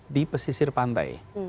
di pesisir pantai